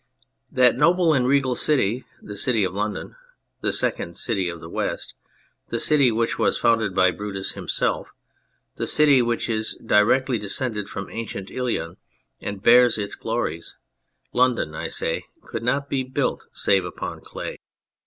That noble and regal city, the City of London, the second city of the West, the city which was founded by Brutus himself, the city which is directly de scended from ancient Ilion and bears its glories London, I say, could not be built save upon clay.